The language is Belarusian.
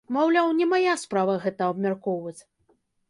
Маўляў, не мая справа гэта абмяркоўваць.